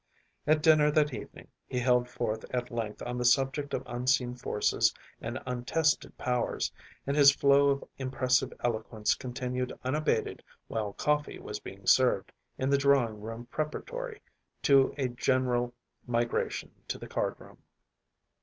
At dinner that evening he held forth at length on the subject of unseen forces and untested powers, and his flow of impressive eloquence continued unabated while coffee was being served in the drawing room preparatory to a general migration to the card room.